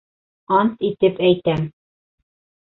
Ант итеп әйтәм!..